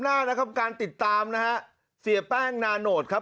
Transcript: หน้านะครับการติดตามนะฮะเสียแป้งนาโนตครับ